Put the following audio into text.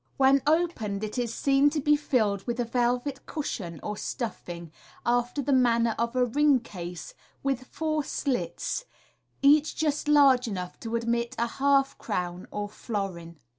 When opened, it is seen to be filled with a velvet cushion or stuffing, after the manner of a ring case, with four slits, each just large enough to admit a half crown or florin.